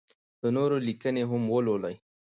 د نورو لیکنې هم ولولئ.